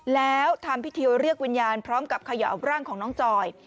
แล้วทำพิธีเรียกวิญญาณพร้อมกับเขย่าร่างของน้องจอย